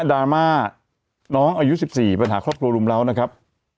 ราม่าน้องอายุ๑๔ปัญหาครอบครัวรุมเล้านะครับ